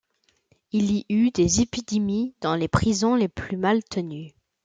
Il y eut des épidémies dans les prisons les plus mal tenues.